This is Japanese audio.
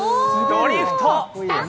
ドリフト！